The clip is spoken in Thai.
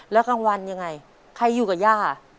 แล้วกลางวันยังไงใครอยู่กับย่า